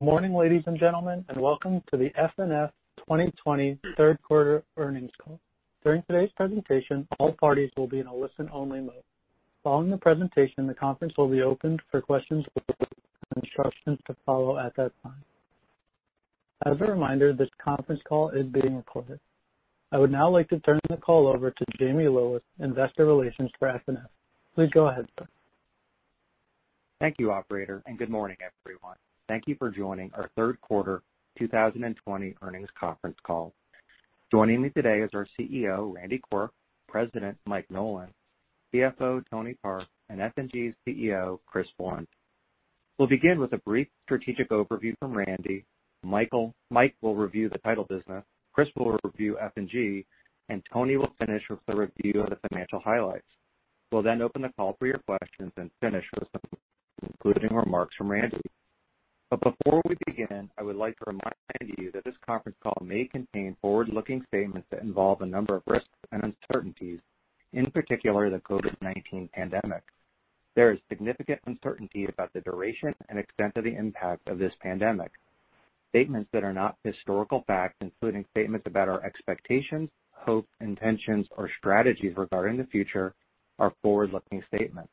Good morning, ladies and gentlemen, and welcome to the FNF 2020 third quarter earnings call. During today's presentation, all parties will be in a listen-only mode. Following the presentation, the conference will be open for questions and instructions to follow at that time. As a reminder, this conference call is being recorded. I would now like to turn the call over to Jamie Lillis, Investor Relations for FNF. Please go ahead, sir. Thank you, Operator, and good morning, everyone. Thank you for joining our third quarter 2020 earnings conference call. Joining me today are our CEO, Randy Quirk, President, Mike Nolan, CFO, Tony Park, and F&G CEO, Chris Blunt. We'll begin with a brief strategic overview from Randy. Mike will review the title business, Chris will review F&G, and Tony will finish with a review of the financial highlights. We'll then open the call for your questions and finish with some concluding remarks from Randy. But before we begin, I would like to remind you that this conference call may contain forward-looking statements that involve a number of risks and uncertainties, in particular the COVID-19 pandemic. There is significant uncertainty about the duration and extent of the impact of this pandemic. Statements that are not historical facts, including statements about our expectations, hopes, intentions, or strategies regarding the future, are forward-looking statements.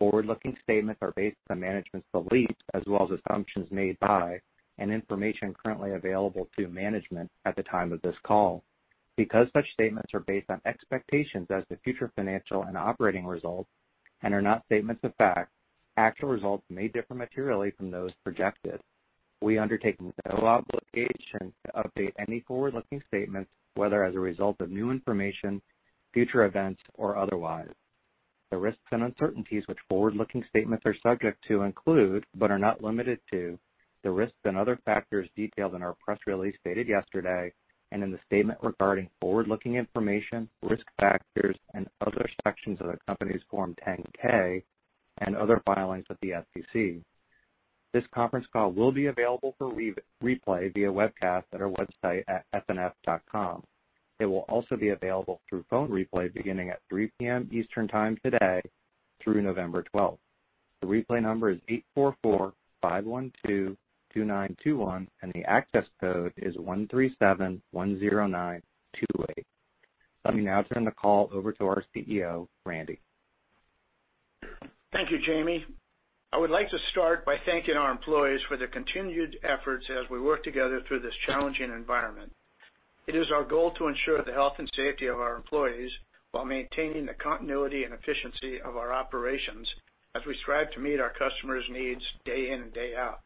Forward-looking statements are based on management's beliefs as well as assumptions made by and information currently available to management at the time of this call. Because such statements are based on expectations as to the future financial and operating results and are not statements of fact, actual results may differ materially from those projected. We undertake no obligation to update any forward-looking statements, whether as a result of new information, future events, or otherwise. The risks and uncertainties which forward-looking statements are subject to include, but are not limited to, the risks and other factors detailed in our press release dated yesterday and in the statement regarding forward-looking information, risk factors, and other sections of the company's Form 10-K and other filings with the SEC. This conference call will be available for replay via webcast at our website at fnf.com. It will also be available through phone replay beginning at 3:00 P.M. Eastern Time today through November 12th. The replay number is 844-512-2921, and the access code is 13710928. Let me now turn the call over to our CEO, Randy. Thank you, Jamie. I would like to start by thanking our employees for their continued efforts as we work together through this challenging environment. It is our goal to ensure the health and safety of our employees while maintaining the continuity and efficiency of our operations as we strive to meet our customers' needs day in and day out.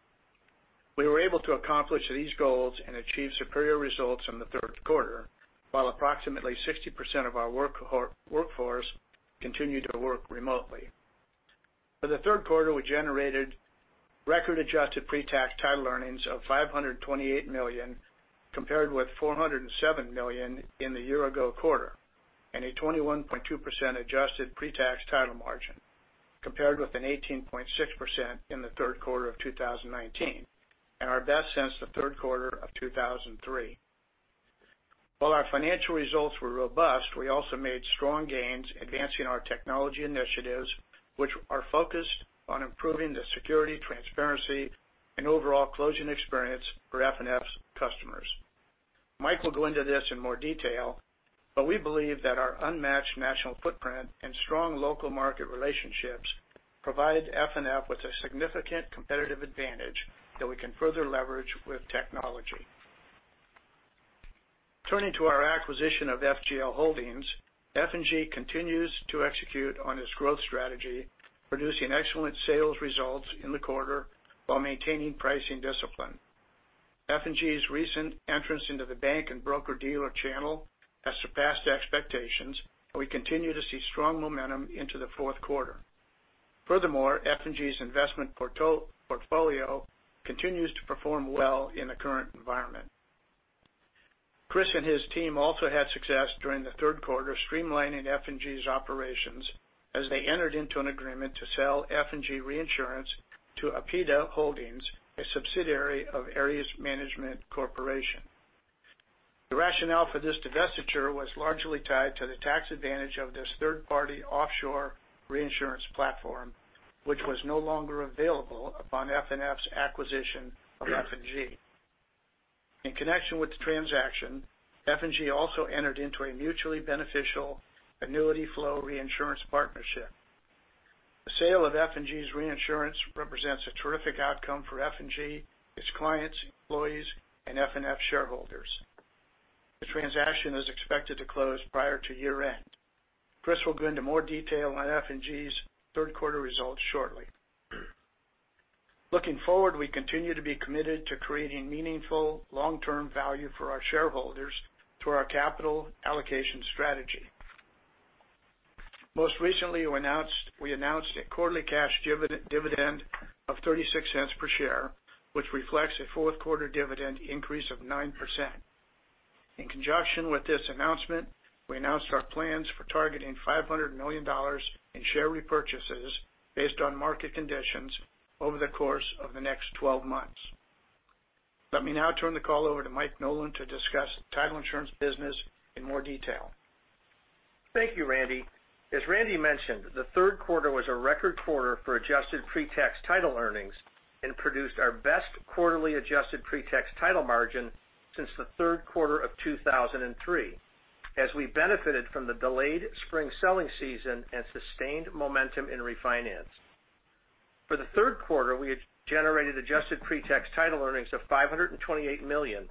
We were able to accomplish these goals and achieve superior results in the third quarter while approximately 60% of our workforce continued to work remotely. For the third quarter, we generated record-adjusted pre-tax title earnings of $528 million, compared with $407 million in the year-ago quarter, and a 21.2% adjusted pre-tax title margin, compared with an 18.6% in the third quarter of 2019, and our best since the third quarter of 2003. While our financial results were robust, we also made strong gains, advancing our technology initiatives, which are focused on improving the security, transparency, and overall closing experience for FNF's customers. Mike will go into this in more detail, but we believe that our unmatched national footprint and strong local market relationships provide FNF with a significant competitive advantage that we can further leverage with technology. Turning to our acquisition of FGL Holdings, F&G continues to execute on its growth strategy, producing excellent sales results in the quarter while maintaining pricing discipline. F&G's recent entrance into the bank and broker-dealer channel has surpassed expectations, and we continue to see strong momentum into the fourth quarter. Furthermore, F&G's investment portfolio continues to perform well in the current environment. Chris and his team also had success during the third quarter streamlining F&G's operations as they entered into an agreement to sell F&G Reinsurance to Aspida Holdings, a subsidiary of Ares Management Corporation. The rationale for this divestiture was largely tied to the tax advantage of this third-party offshore reinsurance platform, which was no longer available upon FNF's acquisition of F&G. In connection with the transaction, F&G also entered into a mutually beneficial annuity flow reinsurance partnership. The sale of F&G's reinsurance represents a terrific outcome for F&G, its clients, employees, and FNF shareholders. The transaction is expected to close prior to year-end. Chris will go into more detail on F&G's third quarter results shortly. Looking forward, we continue to be committed to creating meaningful long-term value for our shareholders through our capital allocation strategy. Most recently, we announced a quarterly cash dividend of $0.36 per share, which reflects a fourth-quarter dividend increase of 9%. In conjunction with this announcement, we announced our plans for targeting $500 million in share repurchases based on market conditions over the course of the next 12 months. Let me now turn the call over to Mike Nolan to discuss the title insurance business in more detail. Thank you, Randy. As Randy mentioned, the third quarter was a record quarter for adjusted pre-tax title earnings and produced our best quarterly adjusted pre-tax title margin since the third quarter of 2003, as we benefited from the delayed spring selling season and sustained momentum in refinance. For the third quarter, we generated adjusted pre-tax title earnings of $528 million,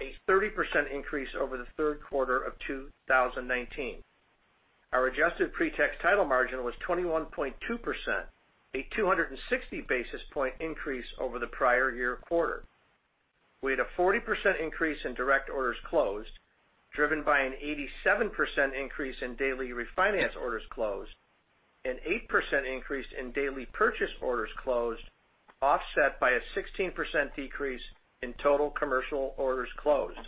a 30% increase over the third quarter of 2019. Our adjusted pre-tax title margin was 21.2%, a 260 basis points increase over the prior year quarter. We had a 40% increase in direct orders closed, driven by an 87% increase in daily refinance orders closed, an 8% increase in daily purchase orders closed, offset by a 16% decrease in total commercial orders closed.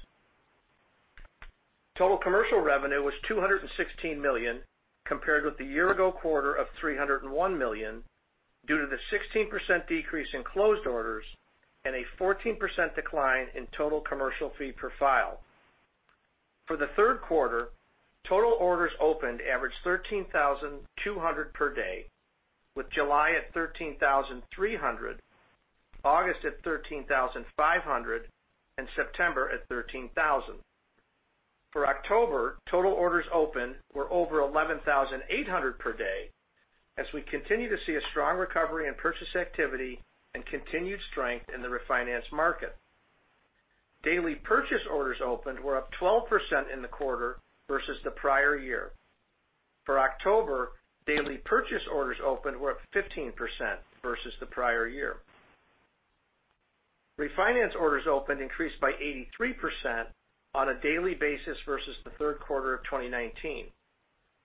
Total commercial revenue was $216 million, compared with the year-ago quarter of $301 million, due to the 16% decrease in closed orders and a 14% decline in total commercial fee per file. For the third quarter, total orders opened averaged $13,200 per day, with July at $13,300, August at $13,500, and September at $13,000. For October, total orders opened were over $11,800 per day, as we continue to see a strong recovery in purchase activity and continued strength in the refinance market. Daily purchase orders opened were up 12% in the quarter versus the prior year. For October, daily purchase orders opened were up 15% versus the prior year. Refinance orders opened increased by 83% on a daily basis versus the third quarter of 2019.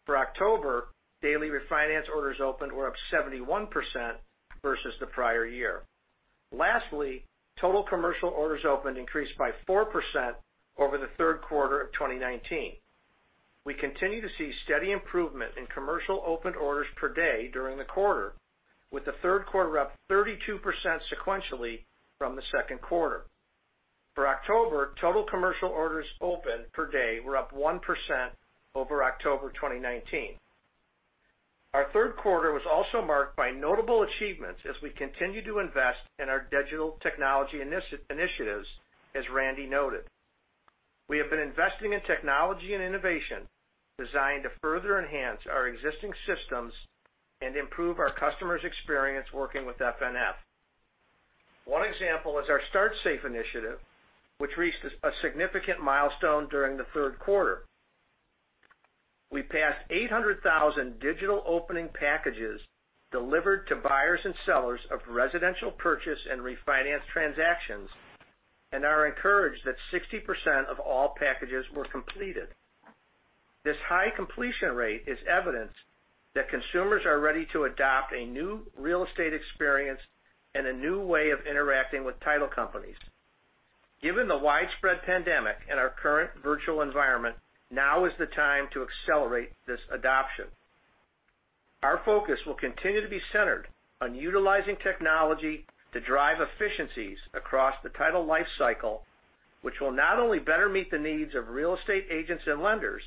For October, daily refinance orders opened were up 71% versus the prior year. Lastly, total commercial orders opened increased by 4% over the third quarter of 2019. We continue to see steady improvement in commercial opened orders per day during the quarter, with the third quarter up 32% sequentially from the second quarter. For October, total commercial orders opened per day were up 1% over October 2019. Our third quarter was also marked by notable achievements as we continue to invest in our digital technology initiatives, as Randy noted. We have been investing in technology and innovation designed to further enhance our existing systems and improve our customers' experience working with FNF. One example is our StartSafe initiative, which reached a significant milestone during the third quarter. We passed 800,000 digital opening packages delivered to buyers and sellers of residential purchase and refinance transactions and are encouraged that 60% of all packages were completed. This high completion rate is evidence that consumers are ready to adopt a new real estate experience and a new way of interacting with title companies. Given the widespread pandemic and our current virtual environment, now is the time to accelerate this adoption. Our focus will continue to be centered on utilizing technology to drive efficiencies across the title lifecycle, which will not only better meet the needs of real estate agents and lenders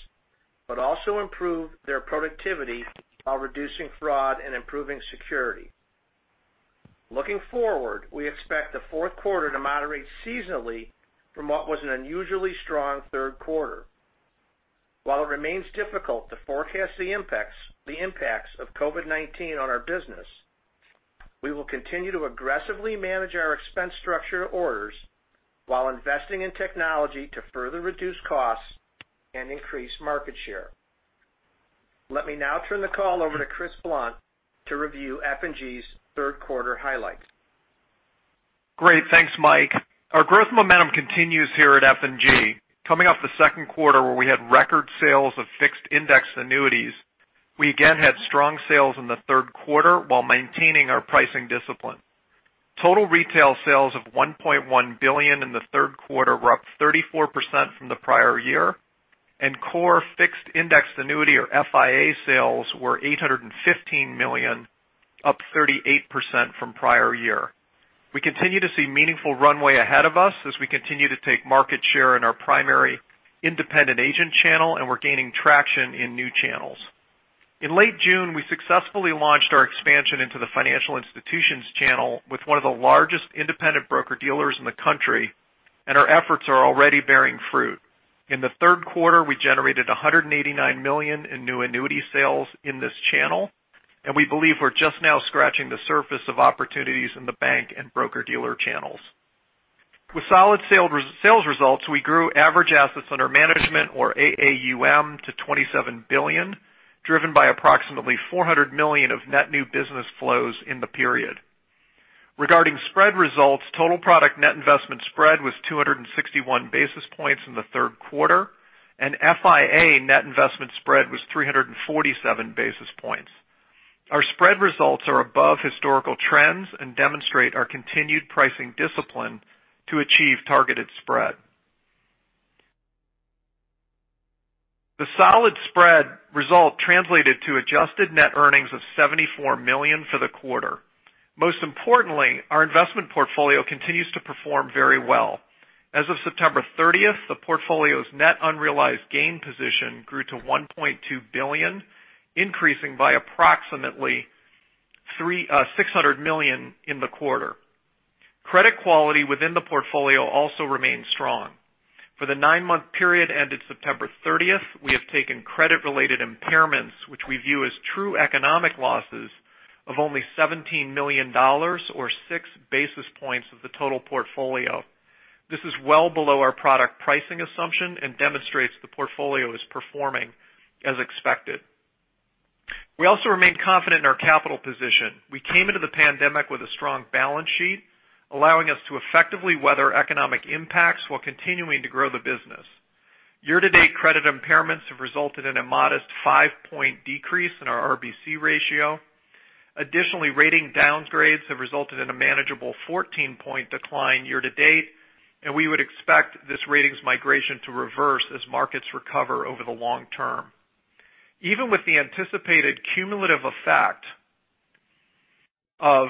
but also improve their productivity while reducing fraud and improving security. Looking forward, we expect the fourth quarter to moderate seasonally from what was an unusually strong third quarter. While it remains difficult to forecast the impacts of COVID-19 on our business, we will continue to aggressively manage our expense structure in orders while investing in technology to further reduce costs and increase market share. Let me now turn the call over to Chris Blunt to review F&G's third quarter highlights. Great. Thanks, Mike. Our growth momentum continues here at F&G. Coming off the second quarter where we had record sales of fixed indexed annuities, we again had strong sales in the third quarter while maintaining our pricing discipline. Total retail sales of $1.1 billion in the third quarter were up 34% from the prior year, and core fixed indexed annuity, or FIA, sales were $815 million, up 38% from prior year. We continue to see meaningful runway ahead of us as we continue to take market share in our primary independent agent channel, and we're gaining traction in new channels. In late June, we successfully launched our expansion into the financial institutions channel with one of the largest independent broker-dealers in the country, and our efforts are already bearing fruit. In the third quarter, we generated $189 million in new annuity sales in this channel, and we believe we're just now scratching the surface of opportunities in the bank and broker-dealer channels. With solid sales results, we grew average assets under management, or AAUM, to $27 billion, driven by approximately $400 million of net new business flows in the period. Regarding spread results, total product net investment spread was 261 basis points in the third quarter, and FIA net investment spread was 347 basis points. Our spread results are above historical trends and demonstrate our continued pricing discipline to achieve targeted spread. The solid spread result translated to adjusted net earnings of $74 million for the quarter. Most importantly, our investment portfolio continues to perform very well. As of September 30th, the portfolio's net unrealized gain position grew to $1.2 billion, increasing by approximately $600 million in the quarter. Credit quality within the portfolio also remains strong. For the nine-month period ended September 30th, we have taken credit-related impairments, which we view as true economic losses, of only $17 million, or 6 basis points of the total portfolio. This is well below our product pricing assumption and demonstrates the portfolio is performing as expected. We also remain confident in our capital position. We came into the pandemic with a strong balance sheet, allowing us to effectively weather economic impacts while continuing to grow the business. Year-to-date credit impairments have resulted in a modest 5-point decrease in our RBC ratio. Additionally, rating downgrades have resulted in a manageable 14-point decline year-to-date, and we would expect this ratings migration to reverse as markets recover over the long term. Even with the anticipated cumulative effect of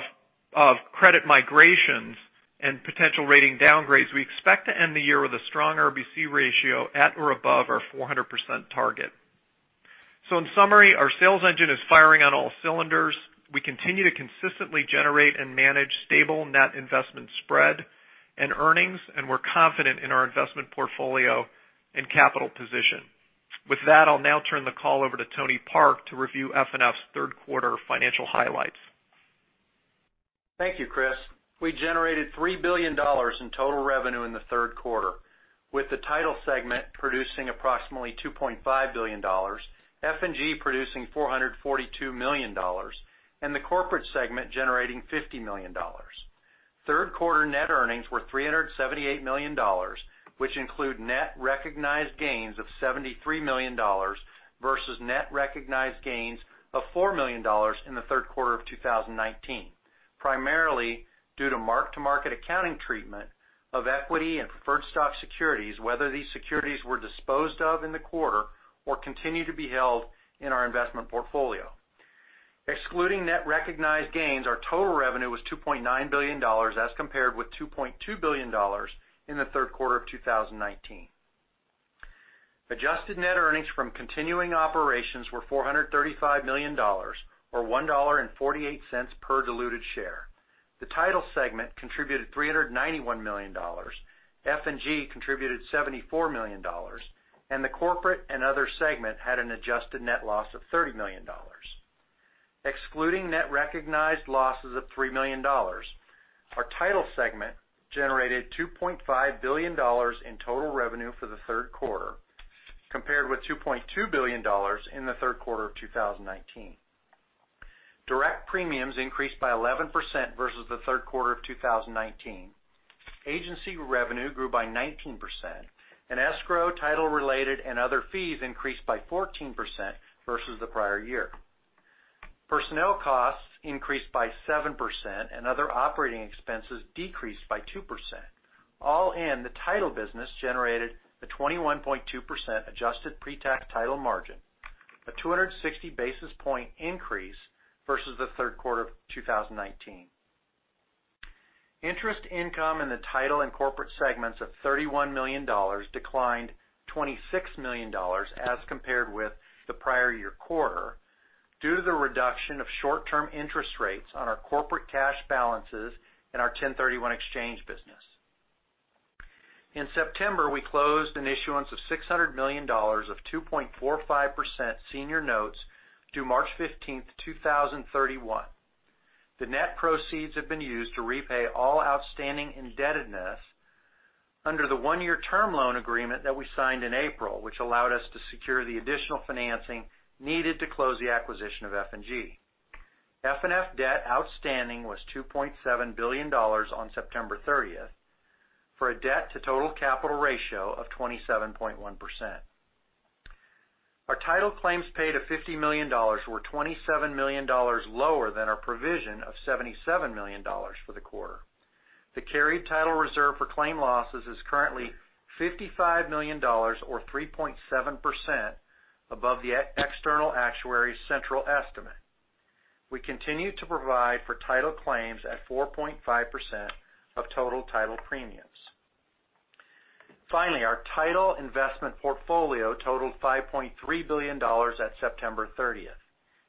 credit migrations and potential rating downgrades, we expect to end the year with a strong RBC ratio at or above our 400% target. So, in summary, our sales engine is firing on all cylinders. We continue to consistently generate and manage stable net investment spread and earnings, and we're confident in our investment portfolio and capital position. With that, I'll now turn the call over to Tony Park to review FNF's third quarter financial highlights. Thank you, Chris. We generated $3 billion in total revenue in the third quarter, with the title segment producing approximately $2.5 billion, F&G producing $442 million, and the corporate segment generating $50 million. Third quarter net earnings were $378 million, which include net recognized gains of $73 million versus net recognized gains of $4 million in the third quarter of 2019, primarily due to mark-to-market accounting treatment of equity and preferred stock securities, whether these securities were disposed of in the quarter or continue to be held in our investment portfolio. Excluding net recognized gains, our total revenue was $2.9 billion as compared with $2.2 billion in the third quarter of 2019. Adjusted net earnings from continuing operations were $435 million, or $1.48 per diluted share. The title segment contributed $391 million, F&G contributed $74 million, and the corporate and other segment had an adjusted net loss of $30 million. Excluding net recognized losses of $3 million, our title segment generated $2.5 billion in total revenue for the third quarter, compared with $2.2 billion in the third quarter of 2019. Direct premiums increased by 11% versus the third quarter of 2019. Agency revenue grew by 19%, and escrow, title-related, and other fees increased by 14% versus the prior year. Personnel costs increased by 7%, and other operating expenses decreased by 2%. All in, the title business generated a 21.2% adjusted pre-tax title margin, a 260 basis point increase versus the third quarter of 2019. Interest income in the title and corporate segments of $31 million declined $26 million as compared with the prior year quarter due to the reduction of short-term interest rates on our corporate cash balances and our 1031 exchange business. In September, we closed an issuance of $600 million of 2.45% senior notes due March 15th, 2031. The net proceeds have been used to repay all outstanding indebtedness under the one-year term loan agreement that we signed in April, which allowed us to secure the additional financing needed to close the acquisition of F&G. FNF debt outstanding was $2.7 billion on September 30th for a debt-to-total capital ratio of 27.1%. Our title claims paid of $50 million were $27 million lower than our provision of $77 million for the quarter. The carried title reserve for claim losses is currently $55 million, or 3.7% above the external actuary's central estimate. We continue to provide for title claims at 4.5% of total title premiums. Finally, our title investment portfolio totaled $5.3 billion at September 30th.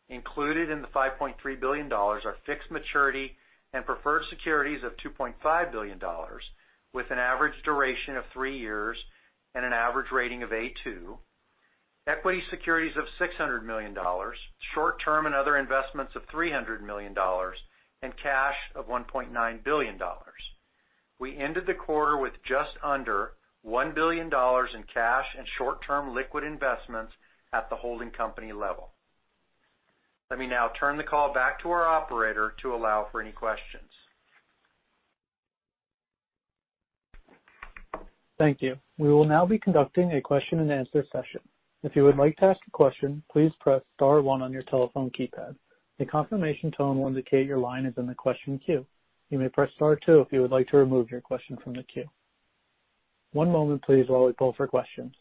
Included in the $5.3 billion are fixed maturity and preferred securities of $2.5 billion, with an average duration of three years and an average rating of A2, equity securities of $600 million, short-term and other investments of $300 million, and cash of $1.9 billion. We ended the quarter with just under $1 billion in cash and short-term liquid investments at the holding company level. Let me now turn the call back to our operator to allow for any questions. Thank you. We will now be conducting a question-and-answer session. If you would like to ask a question, please press star 1 on your telephone keypad. A confirmation tone will indicate your line is in the question queue. You may press star 2 if you would like to remove your question from the queue. One moment, please, while we pull for questions.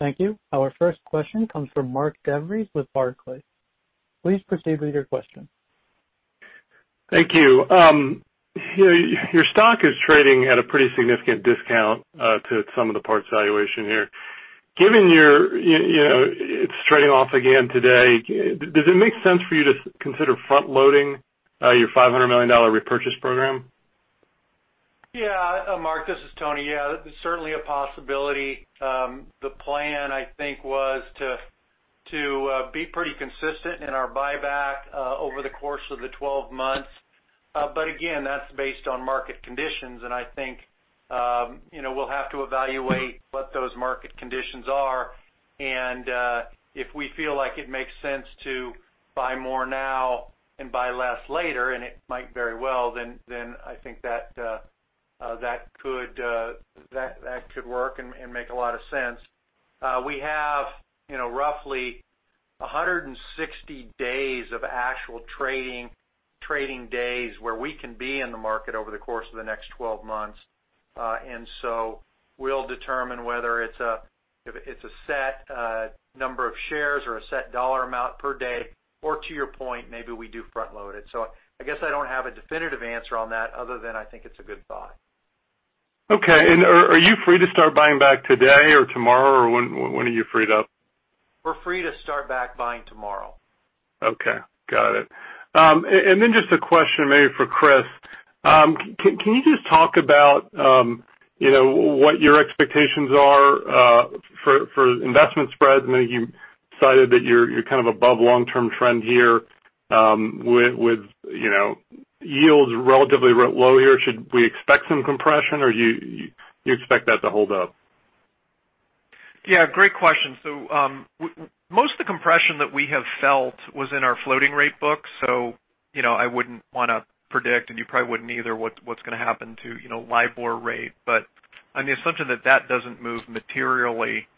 Thank you. Our first question comes from Mark DeVries with Barclays. Please proceed with your question. Thank you. Your stock is trading at a pretty significant discount to some of the parts valuation here. Given your, it's trading off again today, does it make sense for you to consider front-loading your $500 million repurchase program? Yeah. Mark, this is Tony. Yeah, it's certainly a possibility. The plan, I think, was to be pretty consistent in our buyback over the course of the 12 months. But again, that's based on market conditions, and I think we'll have to evaluate what those market conditions are. And if we feel like it makes sense to buy more now and buy less later, and it might very well, then I think that could work and make a lot of sense. We have roughly 160 days of actual trading days where we can be in the market over the course of the next 12 months. And so we'll determine whether it's a set number of shares or a set dollar amount per day, or to your point, maybe we do front-load it. So, I guess I don't have a definitive answer on that other than I think it's a good thought. Okay. And are you free to start buying back today or tomorrow, or when are you free to? We're free to start back buying tomorrow. Okay. Got it. And then just a question maybe for Chris. Can you just talk about what your expectations are for investment spreads? I know you cited that you're kind of above long-term trend here with yields relatively low here. Should we expect some compression, or do you expect that to hold up? Yeah. Great question. So most of the compression that we have felt was in our floating rate book. So I wouldn't want to predict, and you probably wouldn't either, what's going to happen to LIBOR rate. But on the assumption that that doesn't move materially,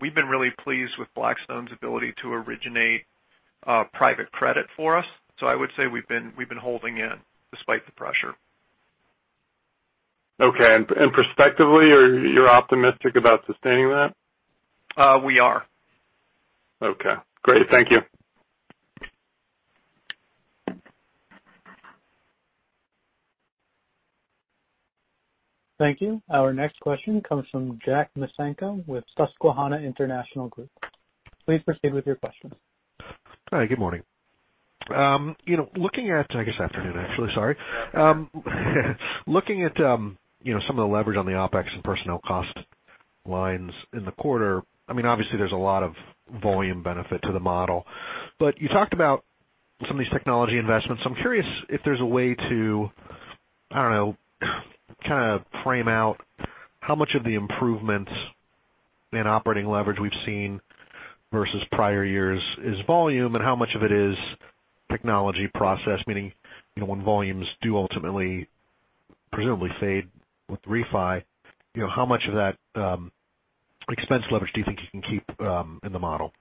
we've been really pleased with Blackstone's ability to originate private credit for us. So I would say we've been holding in despite the pressure. Okay, and prospectively, are you optimistic about sustaining that? We are. Okay. Great. Thank you. Thank you. Our next question comes from Jack Micenko with Susquehanna International Group. Please proceed with your questions. Hi. Good morning. Looking at—I guess afternoon, actually. Sorry. Looking at some of the leverage on the OpEx and personnel cost lines in the quarter, I mean, obviously, there's a lot of volume benefit to the model. But you talked about some of these technology investments. I'm curious if there's a way to, I don't know, kind of frame out how much of the improvements in operating leverage we've seen versus prior years is volume and how much of it is technology process, meaning when volumes do ultimately presumably fade with the refi, how much of that expense leverage do you think you can keep in the model?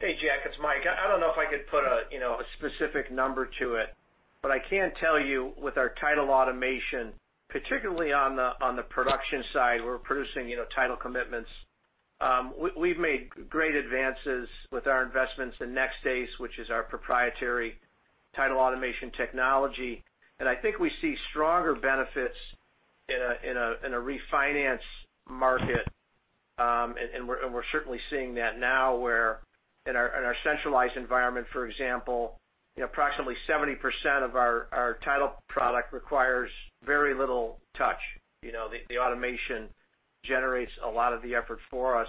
Hey, Jack. It's Mike. I don't know if I could put a specific number to it, but I can tell you with our title automation, particularly on the production side where we're producing title commitments, we've made great advances with our investments in NextAce, which is our proprietary title automation technology. I think we see stronger benefits in a refinance market. We're certainly seeing that now where in our centralized environment, for example, approximately 70% of our title product requires very little touch. The automation generates a lot of the effort for us.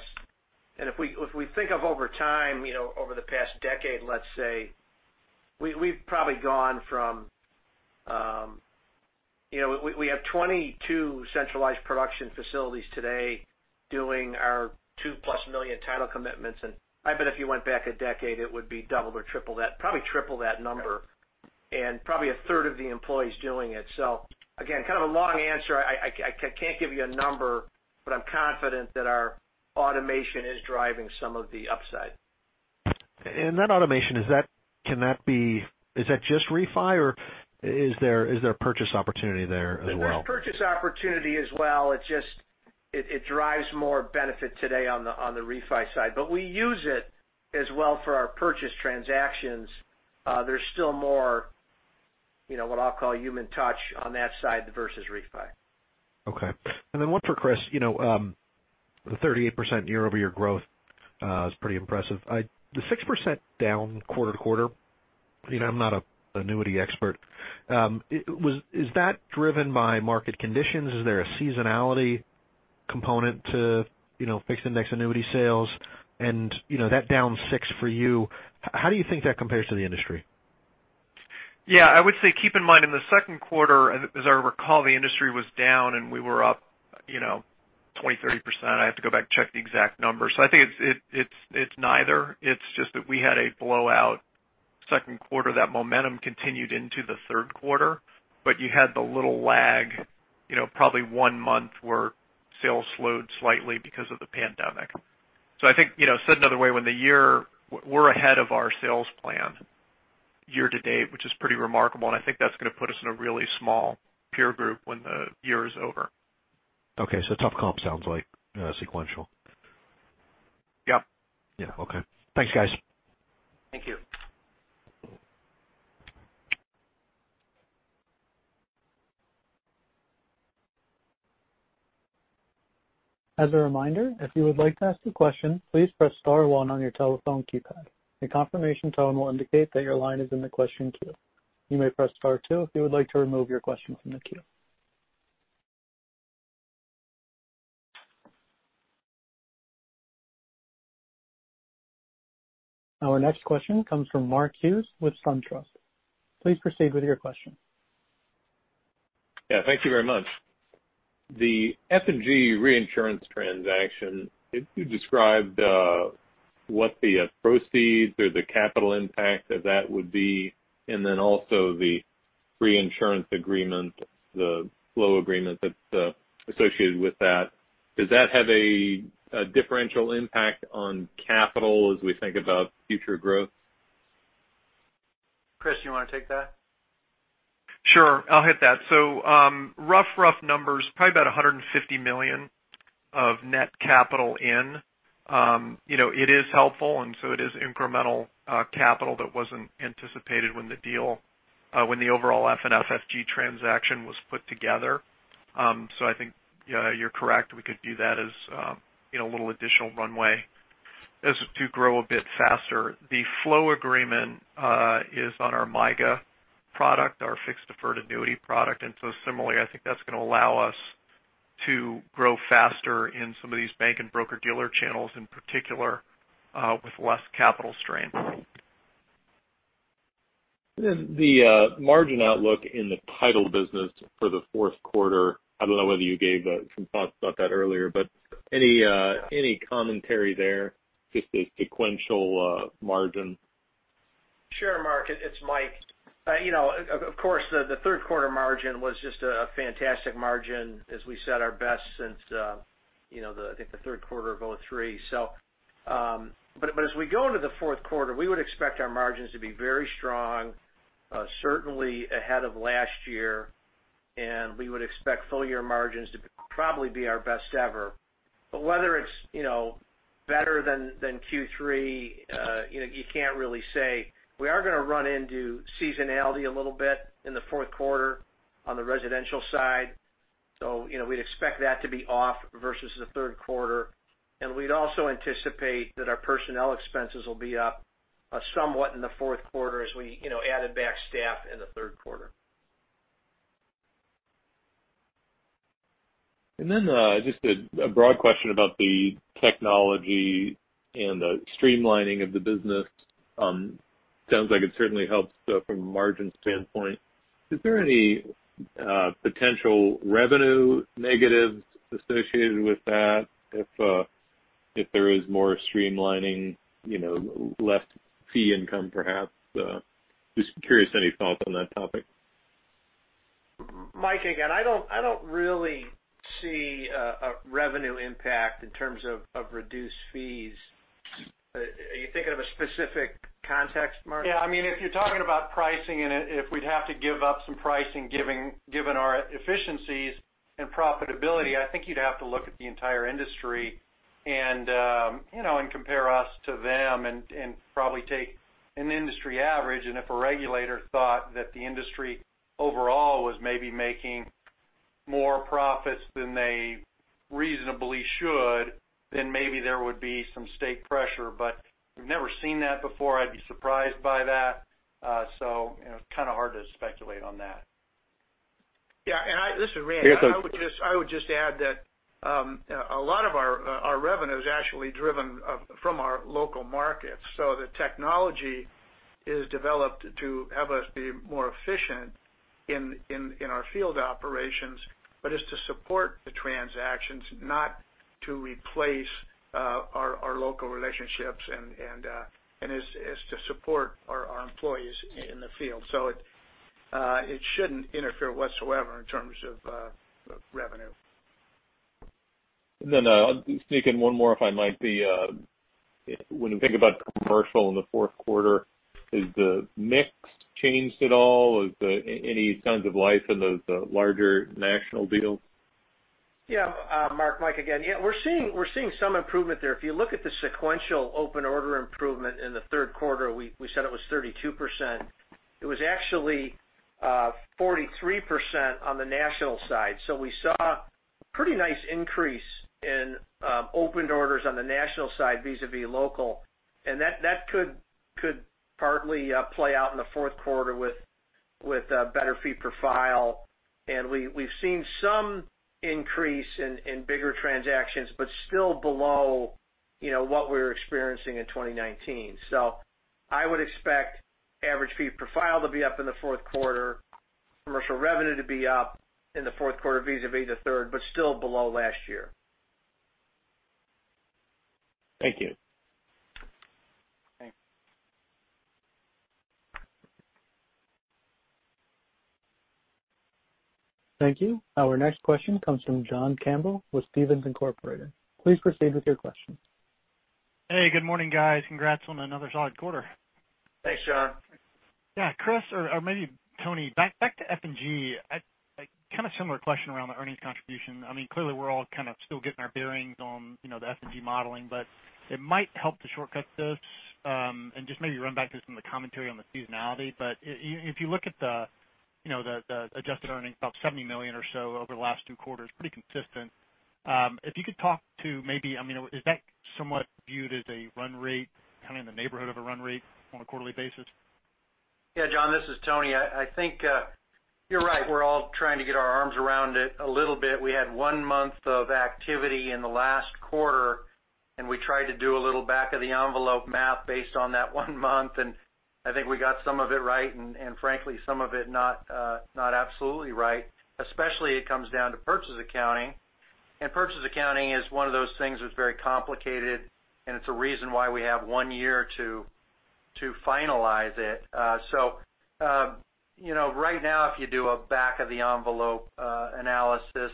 If we think of over time, over the past decade, let's say, we've probably gone from, we have 22 centralized production facilities today doing our 2-plus million title commitments. And I bet if you went back a decade, it would be double or triple that, probably triple that number, and probably a third of the employees doing it. So again, kind of a long answer. I can't give you a number, but I'm confident that our automation is driving some of the upside. That automation, can that be, is that just refi, or is there a purchase opportunity there as well? There's purchase opportunity as well. It drives more benefit today on the refi side. But we use it as well for our purchase transactions. There's still more what I'll call human touch on that side versus refi. Okay. And then one for Chris. The 38% year-over-year growth is pretty impressive. The 6% down quarter to quarter, I'm not an annuity expert. Is that driven by market conditions? Is there a seasonality component to fixed index annuity sales? And that down 6 for you, how do you think that compares to the industry? Yeah. I would say keep in mind in the second quarter, as I recall, the industry was down and we were up 20%-30%. I have to go back and check the exact numbers. So I think it's neither. It's just that we had a blowout second quarter. That momentum continued into the third quarter, but you had the little lag, probably one month where sales slowed slightly because of the pandemic. So I think, said another way, when the year we're ahead of our sales plan year to date, which is pretty remarkable. And I think that's going to put us in a really small peer group when the year is over. Okay. So tough comp sounds like sequential. Yep. Yeah. Okay. Thanks, guys. Thank you. As a reminder, if you would like to ask a question, please press star 1 on your telephone keypad. A confirmation tone will indicate that your line is in the question queue. You may press star 2 if you would like to remove your question from the queue. Our next question comes from Mark Hughes with SunTrust. Please proceed with your question. Yeah. Thank you very much. The F&G reinsurance transaction, if you described what the proceeds or the capital impact of that would be, and then also the reinsurance agreement, the flow agreement that's associated with that, does that have a differential impact on capital as we think about future growth? Chris, you want to take that? Sure. I'll hit that. So rough, rough numbers, probably about $150 million of net capital in. It is helpful, and so it is incremental capital that wasn't anticipated when the deal, when the overall FNF-F&G transaction was put together. So I think you're correct. We could view that as a little additional runway to grow a bit faster. The flow agreement is on our MYGA product, our fixed deferred annuity product. And so similarly, I think that's going to allow us to grow faster in some of these bank and broker-dealer channels in particular with less capital strain. And then the margin outlook in the title business for the fourth quarter, I don't know whether you gave some thoughts about that earlier, but any commentary there just as sequential margin? Sure, Mark. It's Mike. Of course, the third quarter margin was just a fantastic margin as we set our best since I think the third quarter of 2003. But as we go into the fourth quarter, we would expect our margins to be very strong, certainly ahead of last year. And we would expect full-year margins to probably be our best ever. But whether it's better than Q3, you can't really say. We are going to run into seasonality a little bit in the fourth quarter on the residential side. So we'd expect that to be off versus the third quarter. And we'd also anticipate that our personnel expenses will be up somewhat in the fourth quarter as we added back staff in the third quarter. And then just a broad question about the technology and the streamlining of the business. Sounds like it certainly helps from a margin standpoint. Is there any potential revenue negatives associated with that if there is more streamlining, less fee income perhaps? Just curious any thoughts on that topic. Mike, again, I don't really see a revenue impact in terms of reduced fees. Are you thinking of a specific context, Mark? Yeah. I mean, if you're talking about pricing and if we'd have to give up some pricing given our efficiencies and profitability, I think you'd have to look at the entire industry and compare us to them and probably take an industry average. And if a regulator thought that the industry overall was maybe making more profits than they reasonably should, then maybe there would be some state pressure. But we've never seen that before. I'd be surprised by that. So it's kind of hard to speculate on that. Yeah. And this is Randy. Yeah. Go ahead. I would just add that a lot of our revenue is actually driven from our local markets. So the technology is developed to have us be more efficient in our field operations, but it's to support the transactions, not to replace our local relationships, and it's to support our employees in the field. So it shouldn't interfere whatsoever in terms of revenue. And then I'll sneak in one more if I might. When you think about commercial in the fourth quarter, has the mix changed at all? Any signs of life in the larger national deal? Yeah. Mark, Mike again. Yeah. We're seeing some improvement there. If you look at the sequential open order improvement in the third quarter, we said it was 32%. It was actually 43% on the national side. So we saw a pretty nice increase in opened orders on the national side vis-à-vis local. And that could partly play out in the fourth quarter with better fee profile. And we've seen some increase in bigger transactions, but still below what we were experiencing in 2019. So I would expect average fee profile to be up in the fourth quarter, commercial revenue to be up in the fourth quarter vis-à-vis the third, but still below last year. Thank you. Thanks. Thank you. Our next question comes from John Campbell with Stephens Inc. Please proceed with your question. Hey. Good morning, guys. Congrats on another solid quarter. Thanks, John. Yeah. Chris, or maybe Tony, back to F&G, kind of similar question around the earnings contribution. I mean, clearly, we're all kind of still getting our bearings on the F&G modeling, but it might help to shortcut this and just maybe run back to some of the commentary on the seasonality. But if you look at the adjusted earnings, about $70 million or so over the last two quarters, pretty consistent. If you could talk to maybe I mean, is that somewhat viewed as a run rate, kind of in the neighborhood of a run rate on a quarterly basis? Yeah. John, this is Tony. I think you're right. We're all trying to get our arms around it a little bit. We had one month of activity in the last quarter, and we tried to do a little back-of-the-envelope math based on that one month. And I think we got some of it right and, frankly, some of it not absolutely right, especially it comes down to purchase accounting. And purchase accounting is one of those things that's very complicated, and it's a reason why we have one year to finalize it. So right now, if you do a back-of-the-envelope analysis,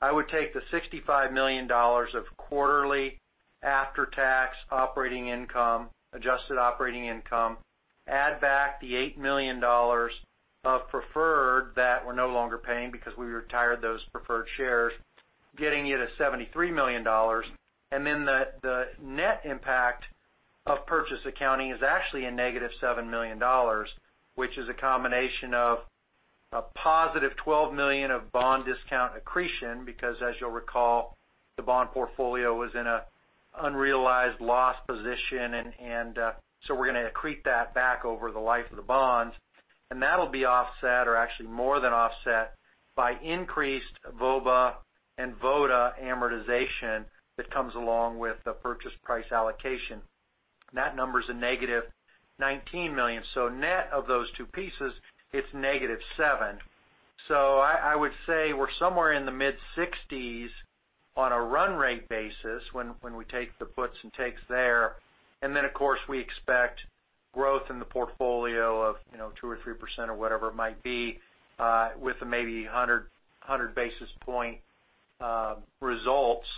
I would take the $65 million of quarterly after-tax operating income, adjusted operating income, add back the $8 million of preferred that we're no longer paying because we retired those preferred shares, getting you to $73 million. Then the net impact of purchase accounting is actually a negative $7 million, which is a combination of a positive $12 million of bond discount accretion because, as you'll recall, the bond portfolio was in an unrealized loss position. And so we're going to accrete that back over the life of the bonds. And that'll be offset, or actually more than offset, by increased VOBA and VODA amortization that comes along with the purchase price allocation. And that number's a negative $19 million. So net of those two pieces, it's negative $7. So I would say we're somewhere in the mid-60s on a run rate basis when we take the puts and takes there. And then, of course, we expect growth in the portfolio of 2% or 3% or whatever it might be with maybe 100 basis point results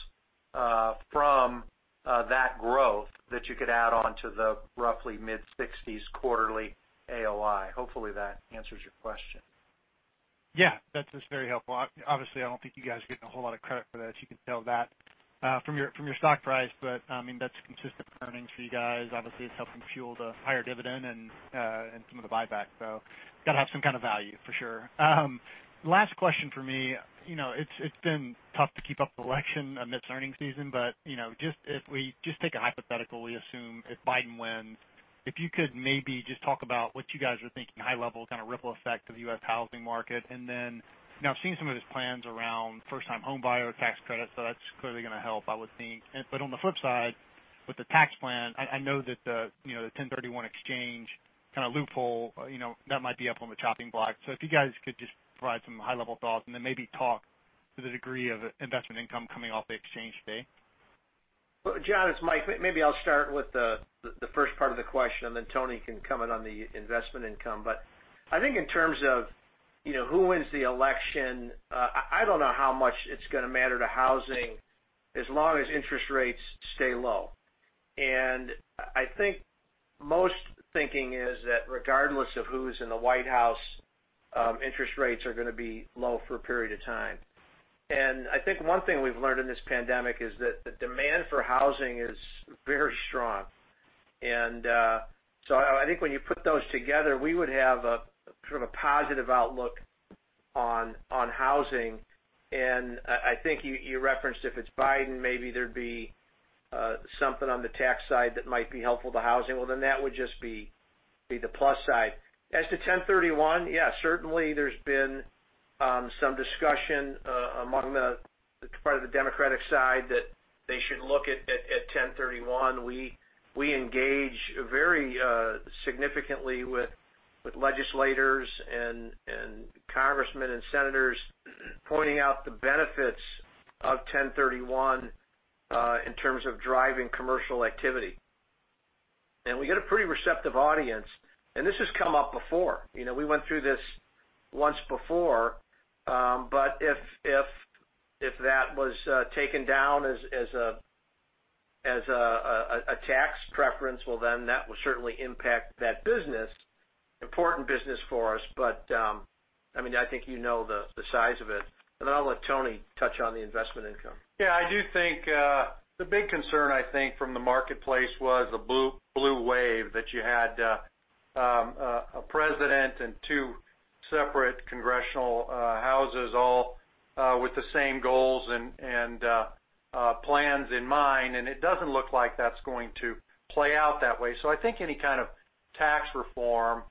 from that growth that you could add on to the roughly mid-60s quarterly AOI. Hopefully, that answers your question. Yeah. That's very helpful. Obviously, I don't think you guys are getting a whole lot of credit for that. You can tell that from your stock price. But I mean, that's consistent earnings for you guys. Obviously, it's helping fuel the higher dividend and some of the buyback. So got to have some kind of value for sure. Last question for me. It's been tough to keep up with the election amidst earnings season, but just if we take a hypothetical, we assume if Biden wins, if you could maybe just talk about what you guys were thinking, high-level kind of ripple effect of the U.S. housing market. And then I've seen some of his plans around first-time home buyer tax credit. So that's clearly going to help, I would think. But on the flip side, with the tax plan, I know that the 1031 exchange kind of loophole, that might be up on the chopping block. So if you guys could just provide some high-level thoughts and then maybe talk to the degree of investment income coming off the exchange today? John, it's Mike. Maybe I'll start with the first part of the question, and then Tony can come in on the investment income. But I think in terms of who wins the election, I don't know how much it's going to matter to housing as long as interest rates stay low. And I think most thinking is that regardless of who's in the White House, interest rates are going to be low for a period of time. And I think one thing we've learned in this pandemic is that the demand for housing is very strong. And so I think when you put those together, we would have sort of a positive outlook on housing. And I think you referenced if it's Biden, maybe there'd be something on the tax side that might be helpful to housing. Well, then that would just be the plus side. As to 1031, yeah, certainly there's been some discussion among the part of the Democratic side that they should look at 1031. We engage very significantly with legislators and congressmen and senators pointing out the benefits of 1031 in terms of driving commercial activity, and we get a pretty receptive audience, and this has come up before. We went through this once before, but if that was taken down as a tax preference, well, then that will certainly impact that business, important business for us, but I mean, I think you know the size of it, and then I'll let Tony touch on the investment income. Yeah. I do think the big concern, I think, from the marketplace was the blue wave that you had a president and two separate congressional houses all with the same goals and plans in mind. And it doesn't look like that's going to play out that way. So I think any kind of tax reform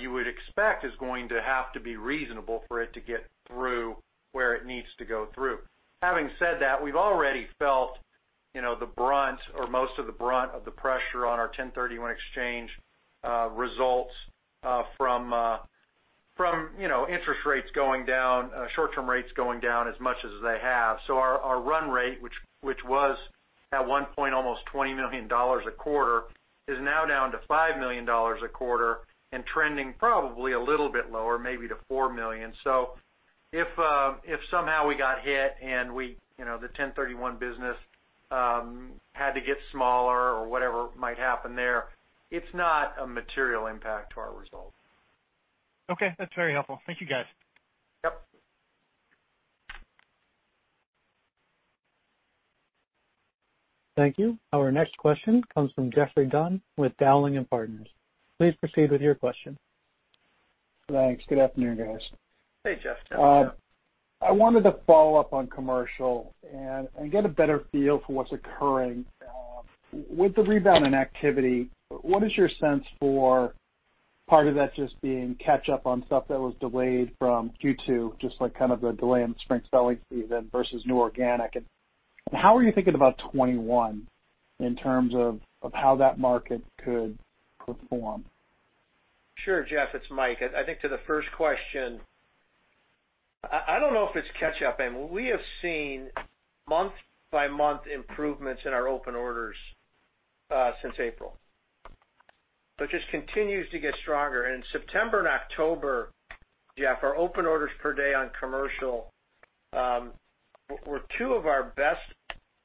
you would expect is going to have to be reasonable for it to get through where it needs to go through. Having said that, we've already felt the brunt or most of the brunt of the pressure on our 1031 exchange results from interest rates going down, short-term rates going down as much as they have. So our run rate, which was at one point almost $20 million a quarter, is now down to $5 million a quarter and trending probably a little bit lower, maybe to $4 million. So if somehow we got hit and the 1031 business had to get smaller or whatever might happen there, it's not a material impact to our result. Okay. That's very helpful. Thank you, guys. Yep. Thank you. Our next question comes from Geoffrey Dunn with Dowling & Partners. Please proceed with your question. Thanks. Good afternoon, guys. Hey, Jeff. I wanted to follow up on commercial and get a better feel for what's occurring. With the rebound in activity, what is your sense for part of that just being catch-up on stuff that was delayed from Q2, just like kind of the delay in the spring selling season versus new organic? And how are you thinking about 2021 in terms of how that market could perform? Sure, Jeff. It's Mike. I think to the first question, I don't know if it's catch-up. I mean, we have seen month-by-month improvements in our open orders since April. So it just continues to get stronger. In September and October, Jeff, our open orders per day on commercial were two of our best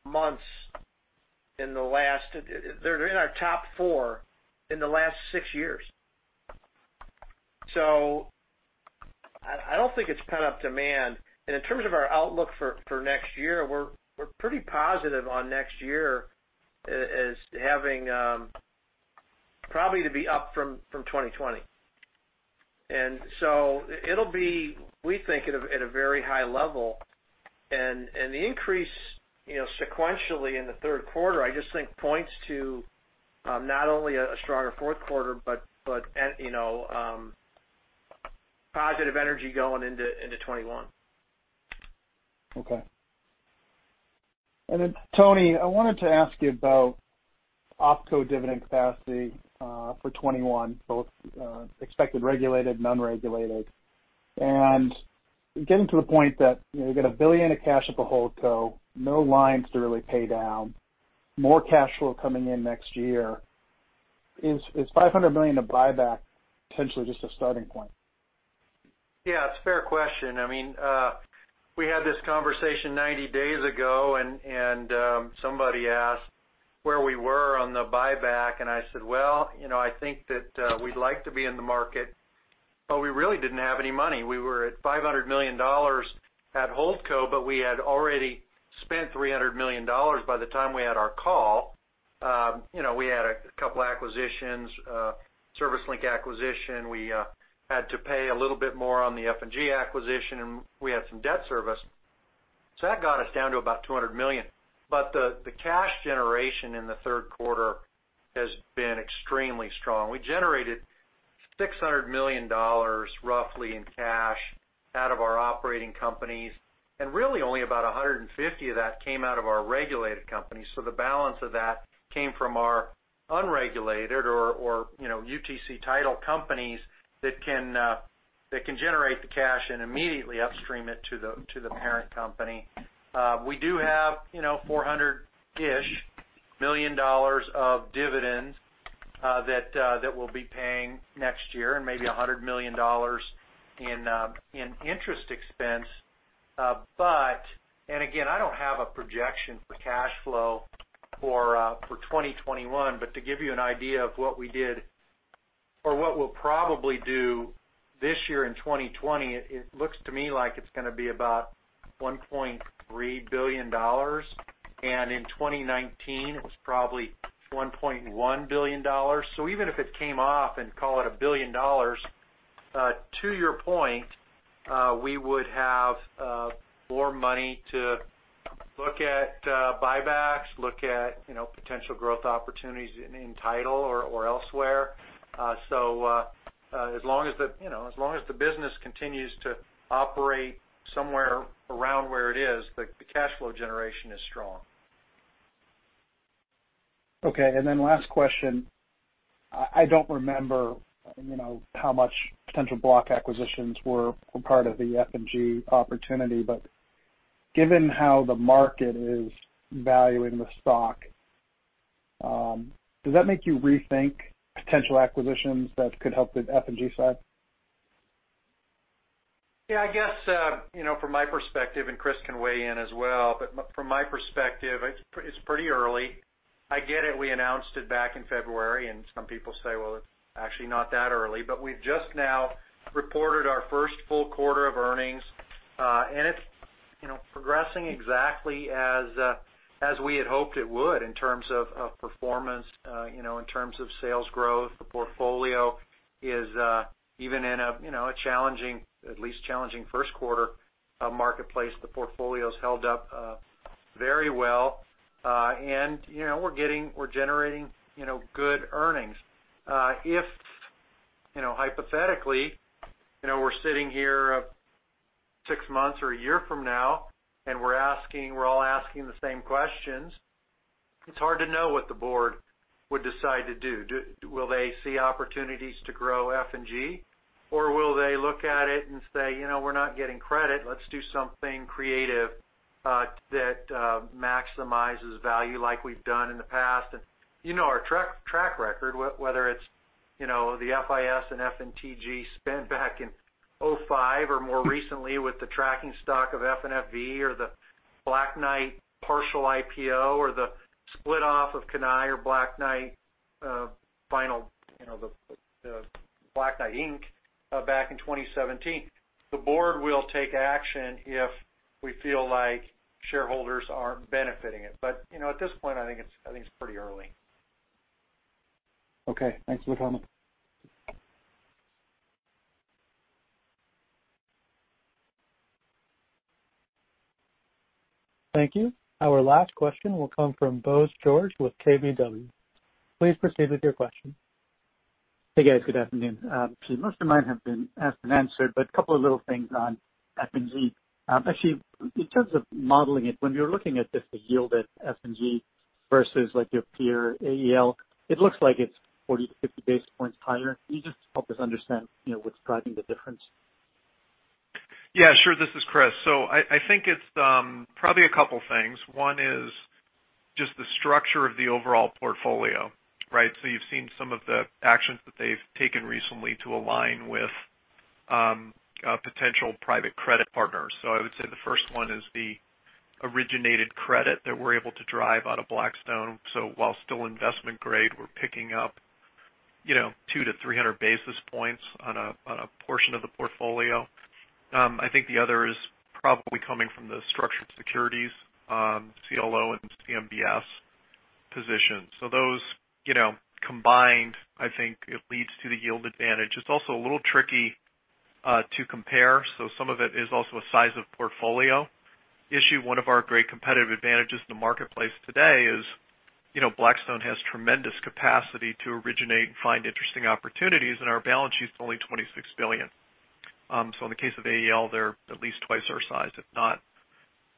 months. They're in our top four in the last six years. I don't think it's pent up demand. In terms of our outlook for next year, we're pretty positive on next year as having probably to be up from 2020. It'll be, we think, at a very high level. The increase sequentially in the third quarter, I just think points to not only a stronger fourth quarter, but positive energy going into 2021. Okay. And then, Tony, I wanted to ask you about Opco dividend capacity for 2021, both expected regulated and unregulated. And getting to the point that you've got $1 billion of cash at HoldCo, though no loans to really pay down, more cash flow coming in next year. Is $500 million of buyback potentially just a starting point? Yeah. It's a fair question. I mean, we had this conversation 90 days ago, and somebody asked where we were on the buyback. And I said, "Well, I think that we'd like to be in the market, but we really didn't have any money." We were at $500 million at Holdco, but we had already spent $300 million by the time we had our call. We had a couple of acquisitions, ServiceLink acquisition. We had to pay a little bit more on the F&G acquisition, and we had some debt service. So that got us down to about $200 million. But the cash generation in the third quarter has been extremely strong. We generated $600 million, roughly, in cash out of our operating companies. And really, only about 150 of that came out of our regulated companies. So the balance of that came from our unregulated or UTC title companies that can generate the cash and immediately upstream it to the parent company. We do have $400-ish million of dividends that we'll be paying next year and maybe $100 million in interest expense. But, and again, I don't have a projection for cash flow for 2021. But to give you an idea of what we did or what we'll probably do this year in 2020, it looks to me like it's going to be about $1.3 billion. And in 2019, it was probably $1.1 billion. So even if it came off and called it a billion dollars, to your point, we would have more money to look at buybacks, look at potential growth opportunities in title or elsewhere. As long as the business continues to operate somewhere around where it is, the cash flow generation is strong. Okay, and then last question. I don't remember how much potential block acquisitions were part of the F&G opportunity. But given how the market is valuing the stock, does that make you rethink potential acquisitions that could help the F&G side? Yeah. I guess from my perspective, and Chris can weigh in as well, but from my perspective, it's pretty early. I get it. We announced it back in February, and some people say, "Well, it's actually not that early." But we've just now reported our first full quarter of earnings, and it's progressing exactly as we had hoped it would in terms of performance, in terms of sales growth. The portfolio is even in a challenging, at least challenging first quarter marketplace. The portfolio has held up very well. And we're generating good earnings. If hypothetically, we're sitting here six months or a year from now, and we're all asking the same questions, it's hard to know what the board would decide to do. Will they see opportunities to grow F&G, or will they look at it and say, "We're not getting credit. Let's do something creative that maximizes value like we've done in the past?" and our track record, whether it's the FIS and FNF spin back in 2005 or more recently with the tracking stock of FNFV or the Black Knight partial IPO or the split-off of Cannae or Black Knight final, the Black Knight Inc. back in 2017, the board will take action if we feel like shareholders aren't benefiting it, but at this point, I think it's pretty early. Okay. Thanks for coming. Thank you. Our last question will come from Bose George with KBW. Please proceed with your question. Hey, guys. Good afternoon. Most of mine have been asked and answered, but a couple of little things on F&G. Actually, in terms of modeling it, when you're looking at just the yield at F&G versus your peer AEL, it looks like it's 40-50 basis points higher. Can you just help us understand what's driving the difference? Yeah. Sure. This is Chris. So I think it's probably a couple of things. One is just the structure of the overall portfolio, right? So you've seen some of the actions that they've taken recently to align with potential private credit partners. So I would say the first one is the originated credit that we're able to drive out of Blackstone. So while still investment grade, we're picking up 200-300 basis points on a portion of the portfolio. I think the other is probably coming from the structured securities, CLO and CMBS positions. So those combined, I think it leads to the yield advantage. It's also a little tricky to compare. So some of it is also a size of portfolio issue. One of our great competitive advantages in the marketplace today is Blackstone has tremendous capacity to originate and find interesting opportunities, and our balance sheet's only $26 billion. So in the case of AEL, they're at least twice our size, if not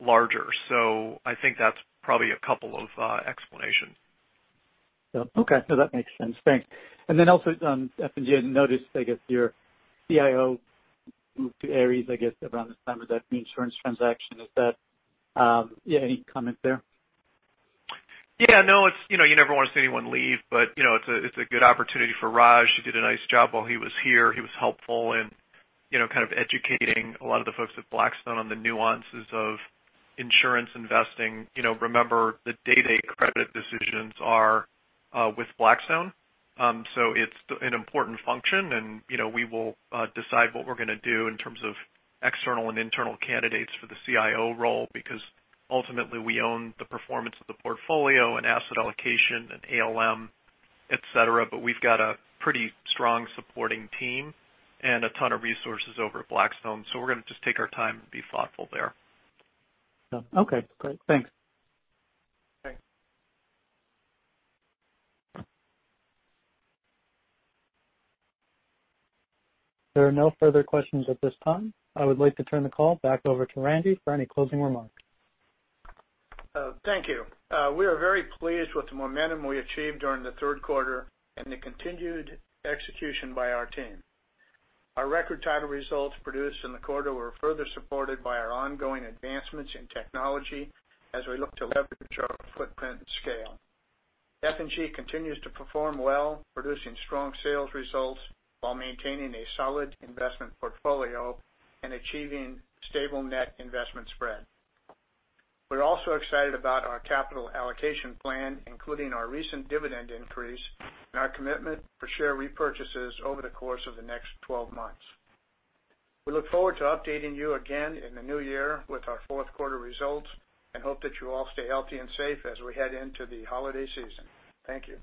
larger. So I think that's probably a couple of explanations. Yep. Okay. No, that makes sense. Thanks. And then also, F&G, I didn't notice, I guess, your CIO moved to Ares, I guess, around the time of that reinsurance transaction. Is that any comment there? Yeah. No, you never want to see anyone leave, but it's a good opportunity for Raj. He did a nice job while he was here. He was helpful in kind of educating a lot of the folks at Blackstone on the nuances of insurance investing. Remember, the day-to-day credit decisions are with Blackstone. So it's an important function, and we will decide what we're going to do in terms of external and internal candidates for the CIO role because ultimately, we own the performance of the portfolio and asset allocation and ALM, etc. But we've got a pretty strong supporting team and a ton of resources over at Blackstone. So we're going to just take our time and be thoughtful there. Yep. Okay. Great. Thanks. Okay. There are no further questions at this time. I would like to turn the call back over to Randy for any closing remarks. Thank you. We are very pleased with the momentum we achieved during the third quarter and the continued execution by our team. Our record title results produced in the quarter were further supported by our ongoing advancements in technology as we look to leverage our footprint and scale. F&G continues to perform well, producing strong sales results while maintaining a solid investment portfolio and achieving stable net investment spread. We're also excited about our capital allocation plan, including our recent dividend increase and our commitment for share repurchases over the course of the next 12 months. We look forward to updating you again in the new year with our fourth quarter results and hope that you all stay healthy and safe as we head into the holiday season. Thank you.